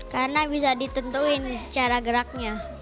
karena bisa ditentuin cara geraknya